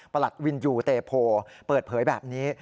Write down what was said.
หลัดวินยูเตโพเปิดเผยแบบนี้